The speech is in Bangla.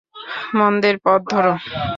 মন্দের পথ ধর।